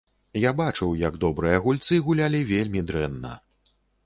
Я бачыў, як добрыя гульцы гулялі вельмі дрэнна.